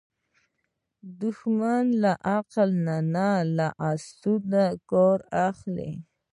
دښمن له عقل نه، له حسد نه کار اخلي